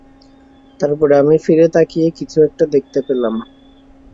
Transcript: তারপর আমি ফিরে তাকিয়ে কিছু একটা দেখতে পেলাম।